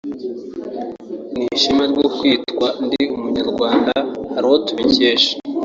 n'ishema ryo kwitwa Ndi Umunyarwanda hari uwo tubikesha